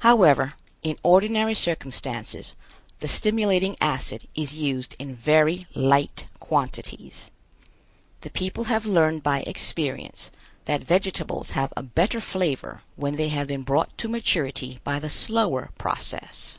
However, in ordinary circumstances, the stimulating acid is used in very light quantities. The people have learned by experience that vegetables have a better flavor when they have been brought to maturity by the slower processes.